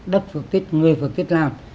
đất phật tịch người phật tịch làm